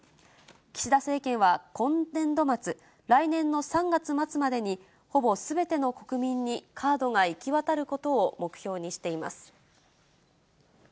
岸田政権は、今年度末・来年の３月末までに、ほぼすべての国民にカードが行き渡ることを目標にしています。